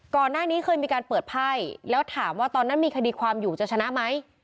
ก่อนหน้านี้เคยมีการเปิดไพ่แล้วถามว่าตอนนั้นมีคดีความอยู่จะชนะไหม